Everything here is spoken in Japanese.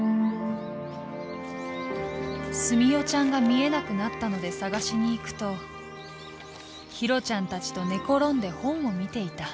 「住代ちゃんが見えなくなったのでさがしに行くと広チャン達と寝ころんで本を見ていた。